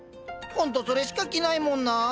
ほんとそれしか着ないもんなあ。